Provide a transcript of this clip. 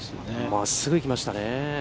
まっすぐ行きましたね。